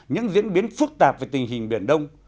những diễn biến phức tạp về tình hình biển đông